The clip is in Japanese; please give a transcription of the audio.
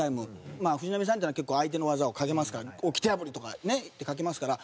まあ藤波さんっていうのは結構相手の技をかけますから掟破りとかねかけますから。